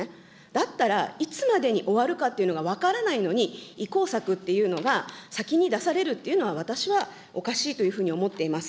だったら、いつまでに終わるかというのが分からないのに、移行策っていうのが、先に出されるというのは、私はおかしいというふうに思っています。